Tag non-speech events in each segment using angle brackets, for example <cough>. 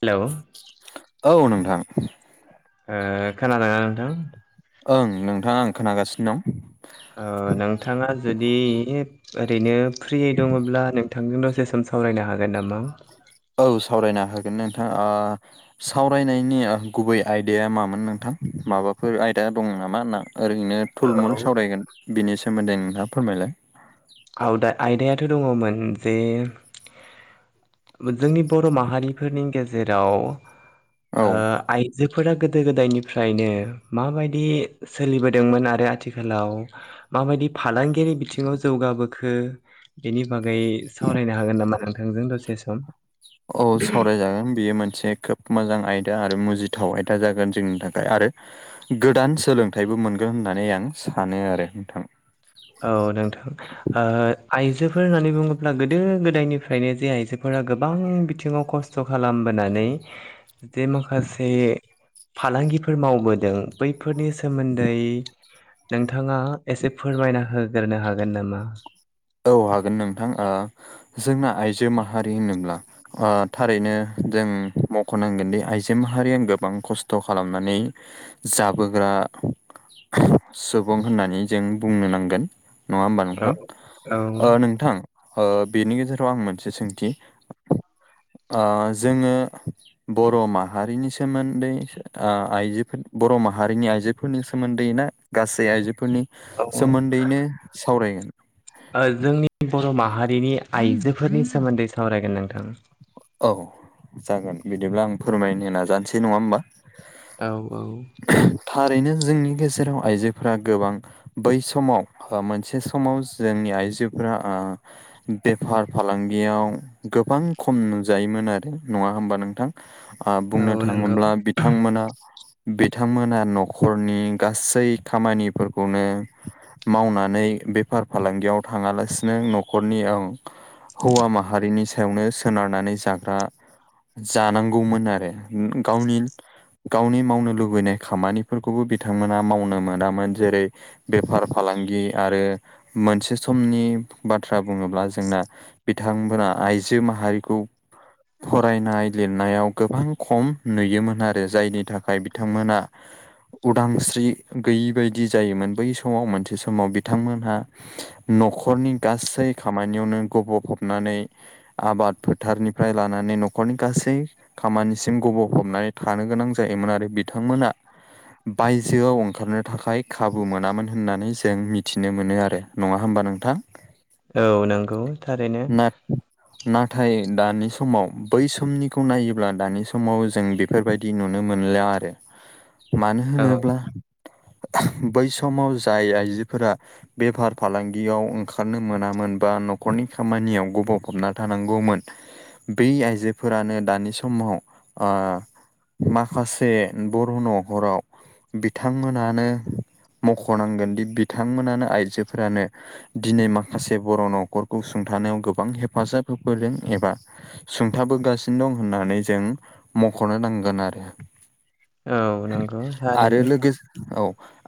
Hello औ नोंथां। ओ खोनादोंना नोंथां? ओं नोंथां आं खोनागासिनो दं। ओ नोंथाङा जुदि ओरैनो फ्रियै दङब्ला नों थोंजों दसे सम सावरायनो हागोन नामा? औ सावरायनो हागोन नोंथां आ सावरायनायनि ओ गुबै आयदाया मामोन नोंथां माबाफोर आयदा दं नामा ना ओरैनो औ थुलमुल सावरायगोन बिनि सोमोन्दै नोंथाङा फोरमायलाय। औ दा आयदायाथ' दङमोन जे जोंनि बर' माहारिफोरनि गेजेराव औ ओ आय जेफोरा गोदो गोदायनिफ्रायनो माबायदि सोलिबोदोंमोन आरो आथिखालाव माबायदि फालांगिनि बिथिङाव जौगाबोखो। बेनि बागै सावरायनो हागोन नामा नोंथांजों दसे सम? औ सावराय जागोन बेयो मोनसे खोब मोजां आयदा आरो मुजिथाव आयदा जागोन जोंनि थाखाय आरो गोदान सोलोंथाइबो मोनगोन होननानै आं सानो आरो नोंथां। औ नोंथां। ओ आइजोफोर होननानै बुङोब्ला गोदो गोदायनिफ्रायनो जे आइजोफोरा गोबां बिथिङाव खस्थ' स्थ' खालामबोनानै जे माखासे फालांगिफोर मावबोदों बैफोरनि सोमोन्दै। नोंथाङा एसे फोरमायना होग्रोनो हागोन नामा? औ हागोन नोंथां ओ जोंना आइजो माहारि होनोब्ला ओ थारैनो जों मख' नांगोनदि आइजो माहारिया गोबां खस्थ' खालामनानै। जाबोग्रा सुबुं होननानै जों बुंनो नांगोन। नङा होमबा औ नोंथां? औ ओ नोंथां ओ बेनि गेजेराव आं मोनसे सोंथि ओ जोङो बर' माहारिनि सोमोन्दैसो ओ आइजोफोर बर' माहारिनि आइजोफोरनि सोमोन्दै ना गासै आइजोफोरनि औ औ सोमोन्दैनो सावरायगोन? ओ जोंनि बर' माहारिनि आइजोफोरनि सोमोन्दै सावरायगोन नोंथां औ जागोन बिदिब्ला आं फोरमायनो नाजानोसै नङा होमबा। औ औ थारैनो जोंनि गेजेराव आइजोफोरा गोबां बै समाव हो मोनसे समाव जोंनि आइजोफोरा ओ बेफार फालांगियाव गोबां खम नु जायोमोन आरो नङा होमबा नोंथां। आ बुंनो नंगौ थाङोब्ला बिथांमोना बिथांमोना न'खरनि गासै खामानिफोरखौनो मावनानै बेफार फालांगियाव थाङालासिनो नखरनि औ हौवा माहारिनि सायावनो सोनारनानै जाग्रा जानांगौमोन आरो गावनि गावनि मावनो लुबैनाय खामानिफोरखौबो बिथांमोना मावनो मोनामोन जेरै बेफार फालांगि आरो मोनसे समनि बाथ्रा बुङोब्ला जोंना बिथांमोना आइजो माहारिखौ फरायनाय लिरनायाव गोबां खम नुयोमोन आरो जायनि थाखाय बिथांमोना उदांस्रि गैयि बदि जायोमोन बै समाव मोनसे समाव बिथांमोनहा नखरनि गासै खामानियावनो गबफबनानै आबाद फो थारनिफ्राय लानानै नखरनि गासै खामानिसिम गबफबनानै थानो गोनां जायोमोन आरो बिथांमोना बायजोआव ओंखारनो थाखाय खाबु मोनामोन होननानै जों मिथिनो मोनो आरो। नङा होमबा नोंथां? औ नंगौ थारैनो। नाथ ाय दानि समाव बै समनिखौ नायोब्ला दानि समाव जों बेफोरबायदि नुनो मोनला आरो। <inaudible> मानो औ होनोब्ला बै समाव जाय आइजोफोरा बेफार फालांगियाव ओंखारनो मोनामोन बा न'खरनि खामानियाव गब'फबना थानां गौमोन बै आइजोफोरानो दानि समाव ओ माखासे बर' न'खराव बिथांमोनानो मख'नांगोन दि बिथांमोनानो आइजोफोरानो दिनै माखासे बर' न'खरखौ सुंथानायाव गोबां हेफाजाब होफैदों एबा सुंथाबोगासिनो दं होननानै जों मखनो नांगोन आरो। औ नंगौ आरो थारैनो लोगोसे औ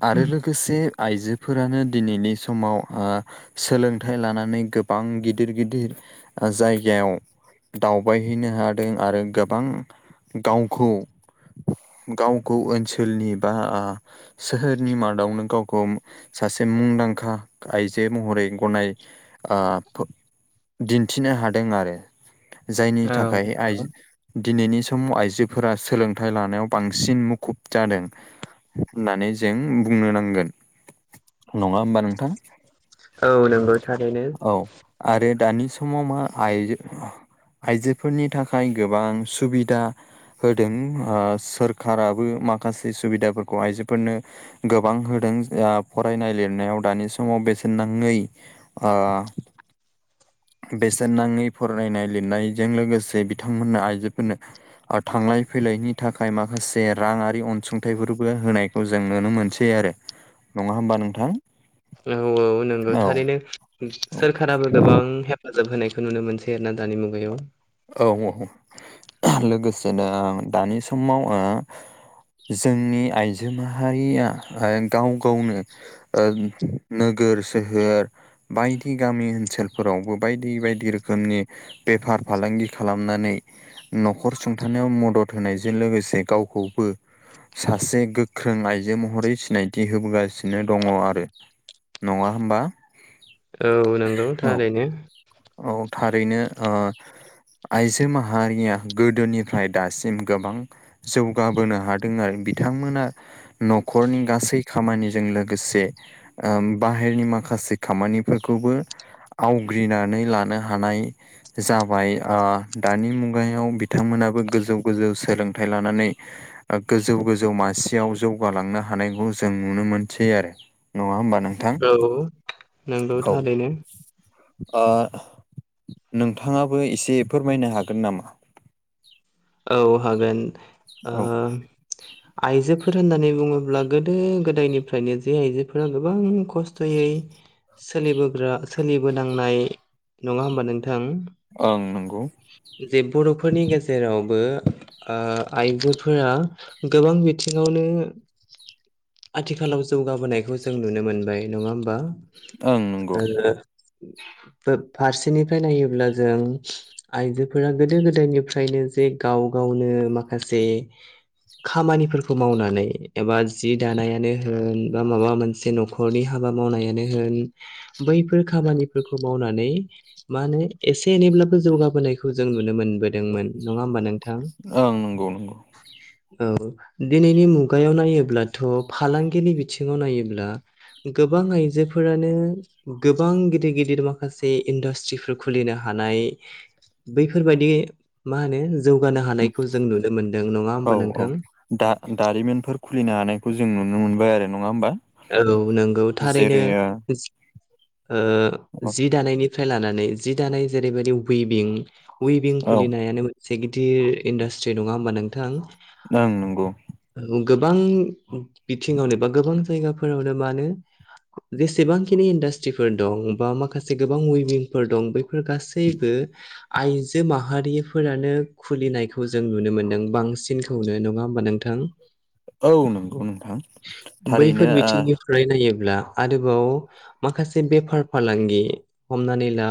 आरो लोगो लोगोसे आइजोफोरानो दिनैनि समाव ओ सोलोंथाइ लानानै गोबां गिदिर गिदिर ओ जायगायाव दावबायहैनो हादों आरो गोबां गावखौ गावखौ ओनसोलनि बा आ सोहोरनि मादावनो गावखौ सासे मुंदांखा आइजो महरै गनाय ओ थ' दिन्थिनो हादों आरो। जायनि औ थाखाय आइ नंगौ दिनैनि समाव आइजोफोरा सोलोंथाइ लानायाव बांसिन मुखुब जादों। होननानै जों बुंनो नांगोन नङा होमबा नोंथां? औ नंगौ थारैनो। औ आरो दानि समाव मा आयजो आइजोफोरनि थाखाय गोबां सुबिदा होदों ओ सोरखाराबो माखासे सुबिदाफोरखौहाय आइजोफोरनो गोबां होदों ओ फरायनाय लिरनायाव दानि समाव बेसेन नाङै ओ बेसेन नाङै फरायनाय लिरनायजों लोगोसे बिथांमोननो आइजोफोरनो ओ थांलाय फैलायनि थाखाय माखासे रांआरि अनसुंथाइफोरबो होनाय खौ जों नुनो मोनसै आरो नङा होमबा नोंथां? औ औ नोंगौ थारैनो औ सोरखाराबो गोबां हेफाजाब होनाय खो नुनो मोनसै आरो ना दानि मुगायाव। औ औ औ लोगोसेनो दानि समाव ओ जोंनि आइजो माहारिया ओ गाव गावनो ओ नोगोर सोहोर बायदि गामि ओनसोलफोरावबो बायदि बायदि रोखोमनि बेफार फालांगि खालामनानै न'खर सुंथानायाव मदद होनायजों लोगोसे गावखौबो सासे गोख्रों आइजो महरै सिनायथि होबोगासिनो दङ आरो। नङा होमबा? औ नोंगौ औ थारैनो। औ थारैनो अ आइजो माहारिया गोदोनिफ्राय दासिम गोबां जौगाबोनो हादों आरो बिथांमोना न'खरनि गासै खामानिजों लोगोसे बाहेरनि माखासे खामानिफोरखौबो आवग्रिनानै लानो हानाय जाबाय दानि मुगायाव बिथांमोनाबो गोजौ गोजौ सोलोंथाइ लानानै ओ गोजौ गोजौ मासियाव जौगालांनो हानायखौ जों नुनो मोनसै आरो। नङा होमबा नों औ नोंगौ थारैनो। नोंथाङाबो एसे फोरमायनो हागोन नामा? औ हागोन ओ औ आइजोफोर होननानै बुङोब्ला गोदो गोदायनिफ्रायनो जे आइजोफोरा गोबां खस्थ'यै सोलिबोग्रा सोलिबोनांनाय नङा होमबा नोंथां? ओं नंगौ‌। जे बर'फोरनि गेजेराव बो आ आइजोफोरा गोबां बिथिङावनो आथिखालाव जौगाबोनायखौ जों नुनो मोनबाय नङा होमबा? ओं नंगौ आरो फारसेनिफ्राय नायोब्ला जों आइजोफोरा गोदो गोदायनिफ्रायनो जे गाव गावनो माखासे खामानिफोरखौ मावनानै एबा जि दानायानो होन बा माबा मोनसे न'ख खरनि हाबा मावनायानो होन बैफोर खामानिफोरखौ मावनानै मा होनो एसे एनैब्लाबो जौगाबोनायखौ जों नुनो मोनबोदोंमोन नङा होमबा नों ओं नंगौ नंगौ औ दिनैनि मुगायाव नायोब्लाथ' फालांगिनि बिथिङाव नायोब्ला गोबां आइजोफोरानो गोबां गिदिर गिदिर माखासे इन्डास्ट्रिफोर खुलिनो हानाय बैफोरबायदि मा होनो जौगानो हानायखौ जों नुनो मोनदों नङा औ होमबा औ नोंथां? दा दारिमिनफोर खुलिनो हानायखौ जों नुनो मोनबाय आरो नङा होमबा। औ नंगौ थारैनो जेरै ओ ओ जि दानायनि फ्राय लानानै जि दानाय जेरैबायदि उइभिं उइभिं औ ओं खुलिनाय मोन‌ से गिदिर इन्डास्ट्रि नङा होमबा नोंथां? ओं नंगौ गोबां बिथिङावनो बा गोबां जायगाफोरावनो मानो जेसेबांखिनि इन्डास्ट्रिफोर दं बा माखासे गोबां उइभिंफोर दं बैफोर गासैबो आइजो माहारिफोरानो खुलिनायखौ जों नुनो मोन्दों बांसिन खौनो नङा होमबा नोंथां। औ नंगौ नोंथां बैफोर थारैनो ओ बिथिंनिफ्राय नायोब्ला आरोबाव माखासे बेफार फालांगि हमनानै ला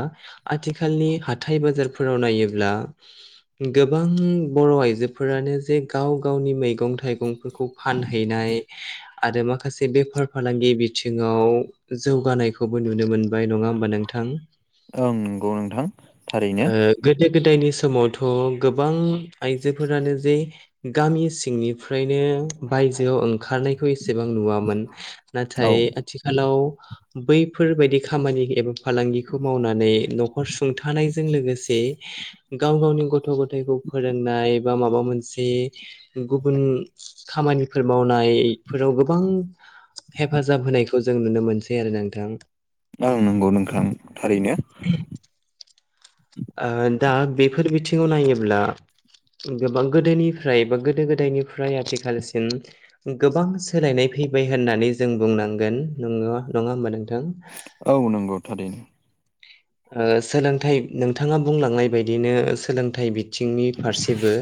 आथिखालनि हाथाय बाजारफोराव नायोब्ला गोबां बर' आइजोफोरानो जे गाव गावनि मैगं थाइगंफोरखौ फानहैनाय आरो माखासे बेफार फालांगि बिथिङाव जौगानायखौबो नुनो मोनबाय नङा होमबा नोंथां? ओं नंगौ नोंथां थारैनो। ओ गोदो गोदायनि समावथ' गोबां आइजोफोरानो जे गामि सिंनिफ्रायनो बायजोआव ओंखारनाय एसेबां नुवामोन औ नाथाय आथिखालाव बैफोरबायदि खामानि एबा फालांगिखौ मावनानै न'खर सुंथानायजों लोगोसे गाव गावनि गथ' गथथायखौ फोरोंनाय बा माबा मोनसे गुबुन खामानिफोर मावनाय फोराव गोबां हेफाजाब होनायखौ जों नुनो मोनसै आरो ना नोंथां। ओं नंगौ नोंथां थारैनो। दा बेफोर बिथिङाव नायोब्ला गोबां गोदोनिफ्राय बा गोदो गोदायनिफ्राय आथिखालसिम गोबां सोलायनाय फैबाय होननानै जों बुंनांगोन नों नङा होमबा नोंथां? औ नंगौ थारैनो ओ सोलोंथाइ नोंथाङा बुंलांनाय बायदिनो सोलोंथाइ बि थिंनि फारसेबो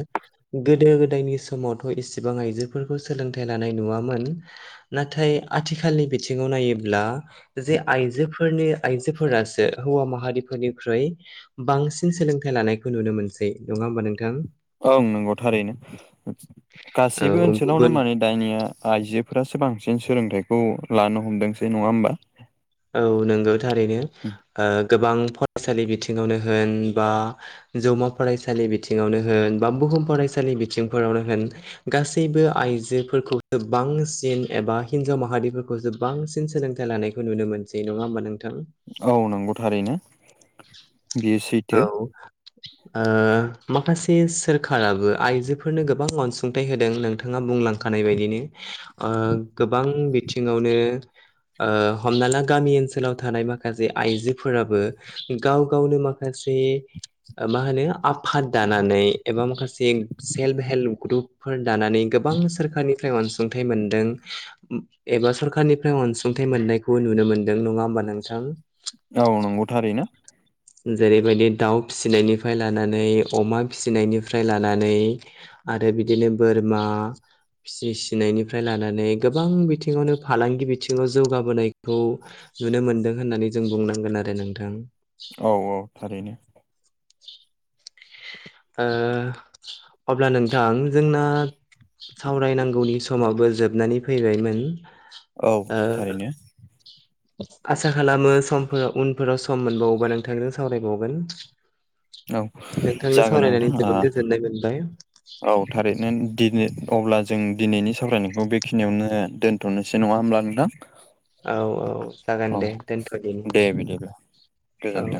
गोदो गोदायनि समावथ' इसिबां आइजोफोरखौ सोलोंथाइ लानाय नुवामोन नाथाय आथिखालनि बिथिङाव नायोब्ला जे आइजोफोरनि आइजोफोरासो हौवा माहारिफोरनिख्रुइ बांसिन सोलोंथाइ लानायखौ नुनो मोनसै नङा होमबा नोंथां? औं नंगौ थारैनो गासैबो औ ओनसोलावनो गुबुन मोनो। दानिया आइजोफोरासो बांसिन सोलोंथाइखौ लानो हमदोंसै नङा होमबा? औ नोंगौ थारैनो गोबां फरायसालि बिथिङावनो होन बा जौमा फरायसालि बिथिङावनो होन बा बुहुम फरायसालि बिथिंफोरावनो होन गासैबो आइजोफोरखौ गो बां सिन एबा हिनजाव माहारिफोरखौसो बांसिन सोलोंथाइ लानायखौ नुनो मोनसै नङा होमबा नोंथां? औ नंगौ थारैनो। बेयो औ सैथो माखासे सोरखाराबो आइजोफोरनो गोबां अनसुंथाइ होदों नोंथाङा बुंलां खानाय बायदिनो ओ गोबां बिथिङावनो ओ हमना ला गामि ओनसोलाव थानाय माखासे आइजोफोराबो गाव गावनो माख खासे मा होनो आफाद दानानै एबा माखासे सेल्फ हेल्प ग्रुप फोर दानानै गोबां सोरखारनिफ्राय अनसुंथाइ मोनदों। एबा सरखारारनिफ्राय अनसुंथाइ मोननायखौ नुनो मोनदों नङा होमबा नोंथां औ नंगौथारै नो जेरैबायदि दाउ फिसिनायनिफ्राय लानानै अमा फिसिनायनिफ्राय लानानै आरो बिदिनो बोरमा फि सिनायनिफ्राय लानानै गोबां बिथिङावनो फालांगि बिथिङाव जौगाबोनायखौ नुनो मोनदों होननानै जों बुंनांगोन आरो नोंथां औ औ थारैनो ओ अब्ला नोंथां जोंना सावरायनांगौनि समावबो जोबनानै फैबायमोन औ ओ थारैनो आसा खालामो समफोराव उनफोराव सम मोनबावोबा नोंथांजों सावरायबावगोन। औ नोंथांजों जागोन सावरायनानै नोंथां जोबोद गोजोननाय मोनबाय ओ औ थारैनो दि अब्ला जों दिनैनि सावरायनायखौ बेखिनियावनो दोन्थ'नोसै नङा होमब्ला नोंथां। औ औ औ जागोन दे दोनथ'नि दे बिदिब्ला गोजोन्थों औ